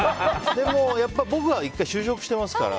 でも、僕は１回就職してますから。